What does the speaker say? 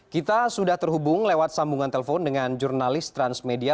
kita sudah terhubung lewat sambungan telepon dengan jurnalis transmedia